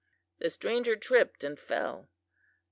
The stranger tripped and fell.